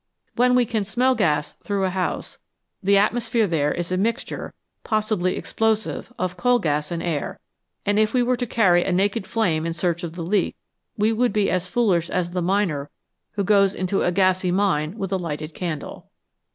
When we can smell gas through a house, the atmosphere there is a 169 EXPLOSIONS AND EXPLOSIVES mixture, possibly explosive, of coal gas and air, and if we were to carry a naked flame in search of the leak, we should be as foolish as the miner who goes into a "gassy" mine with a lighted candle.